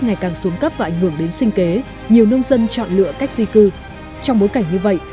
ngày càng xuống cấp và ảnh hưởng đến sinh kế nhiều nông dân chọn lựa cách di cư trong bối cảnh như vậy